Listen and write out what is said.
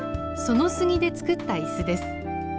その杉で作った椅子です。